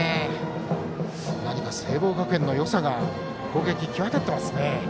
何か聖望学園のよさが攻撃、際立っていますね。